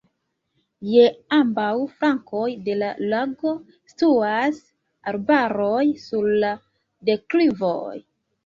Je ambaŭ flankoj de la lago situas arbaroj sur la deklivoj.